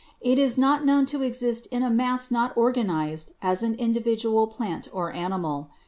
It is not known to exist in a mass not organized as an individual plant or animal.